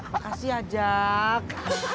makasih ya jak